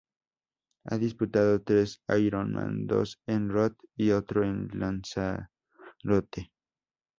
Ha disputado tres ironman, dos en Roth y otro en Lanzarote.